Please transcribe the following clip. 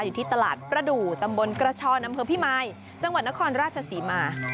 อยู่ที่ตลาดประดูกตำบลกระชอนอำเภอพิมายจังหวัดนครราชศรีมา